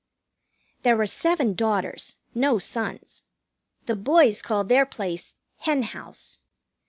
There are seven daughters. No sons. The boys call their place Hen House.